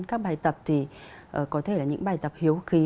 các bài tập thì có thể là những bài tập hiếu khí